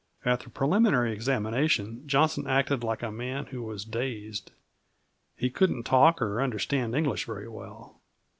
At the preliminary examination Johnson acted like a man who was dazed. He couldn't talk or understand English very well.